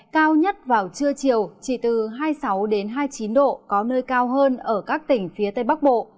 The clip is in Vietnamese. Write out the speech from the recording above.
cao nhất vào trưa chiều chỉ từ hai mươi sáu hai mươi chín độ có nơi cao hơn ở các tỉnh phía tây bắc bộ